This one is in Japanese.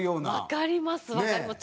わかりますわかります。